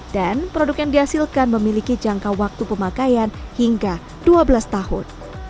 dan produk yang dihasilkan memiliki jangka waktu pemakaian hingga dua belas tahun